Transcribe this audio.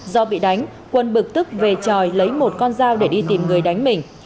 do bị đánh quân bực tức về tròi lấy một con dao để đi tìm người đánh mình